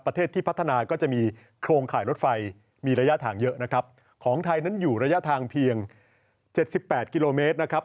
ประเทศที่พัฒนาก็จะมีโครงข่ายรถไฟมีระยะทางเยอะนะครับของไทยนั้นอยู่ระยะทางเพียง๗๘กิโลเมตรนะครับ